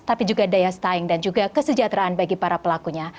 tapi juga daya saing dan juga kesejahteraan bagi para pelakunya